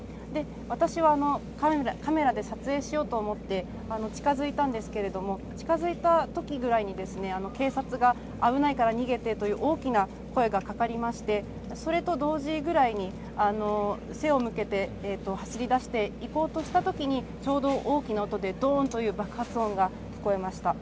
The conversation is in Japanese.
私はカメラで撮影しようと思って近づいたんですけれども、近づいたときくらいに警察が危ないから逃げてと大きな声がかかりまして、それと同時ぐらいに背を向けて走り出していこうとしたときにちょうど大きな音でどーんという大きな爆発音が聞こえました。